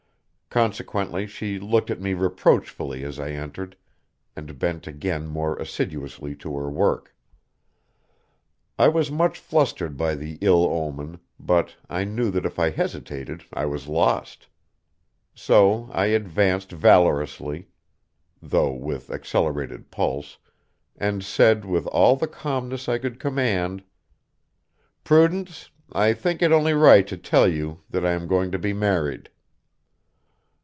Consequently she looked at me reproachfully as I entered, and bent again more assiduously to her work. I was much flustered by the ill omen, but I knew that if I hesitated I was lost; so I advanced valorously, though with accelerated pulse, and said with all the calmness I could command: "Prudence, I think it only right to tell you that I am going to be married."